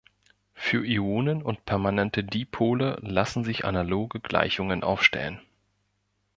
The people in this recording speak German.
Für Ionen und permanente Dipole lassen sich analoge Gleichungen aufstellen.